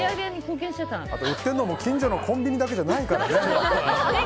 売ってるのも近所のコンビニだけじゃないからね。